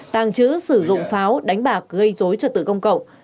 tàng trữ sử dụng pháo đánh bạc gây dối cho tử công cộng